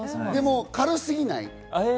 でも軽すぎない。